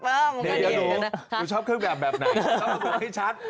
เดี๋ยวหนูชอบเครื่องแบบแบบไหนชอบทรงให้ชัด